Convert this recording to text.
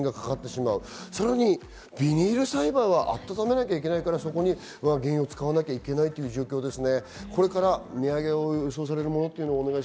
さらにビニール栽培は暖めなければいけないから、そこに原油を使わなければいけないという状況ですね。